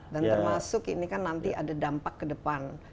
dan termasuk ini kan nanti ada dampak ke depan